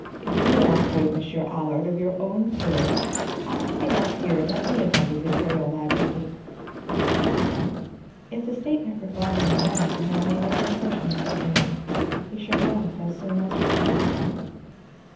"If you are afraid, Monsieur Allard, of your own tales, ask to be left here and let me attend his Imperial Majesty." If the statement regarding the morning had made any impression on Adrian, he shook it off as soon as received.